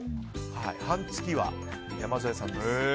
半月は、山添さんですね。